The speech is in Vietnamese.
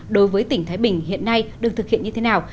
đối với tỉnh thái bình hiện nay được thực hiện như thế nào